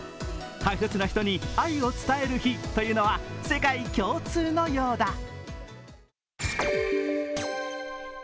大切な人に愛を伝える日というのは世界共通のようだ。